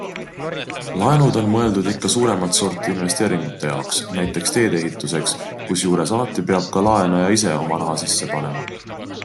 Laenud on mõeldud ikka suuremat sorti investeeringute jaoks, näiteks teedeehituseks, kusjuures alati peab ka laenaja ise oma raha sisse panema.